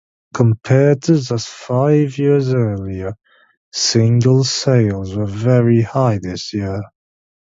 Compared to just five years earlier, singles sales were very high this year.